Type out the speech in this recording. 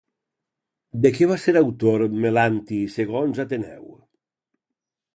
De què va ser autor Melanti segons Ateneu?